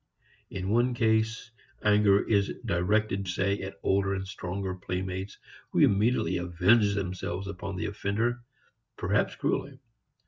In one case, anger is directed say at older and stronger playmates who immediately avenge themselves upon the offender, perhaps cruelly.